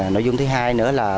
nội dung thứ hai nữa là